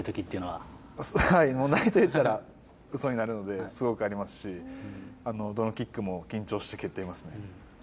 はい、ないと言ったらうそになるので、すごくありますし、どのキックも緊張して蹴ってますね。